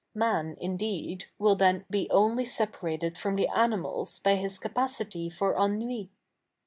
Ma7i, i7ideed, will then be only separated f7'om the anitnals by his capacity for e7inui.